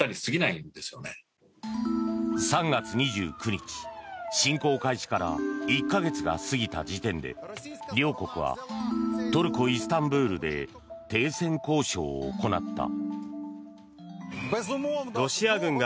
３月２９日、侵攻開始から１か月が過ぎた時点で両国はトルコ・イスタンブールで停戦交渉を行った。